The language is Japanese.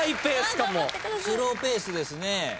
スローペースですね。